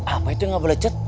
apa itu yang gak boleh cet